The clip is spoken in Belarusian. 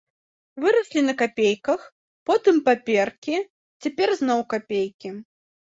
Выраслі на капейках, потым паперкі, цяпер зноў капейкі.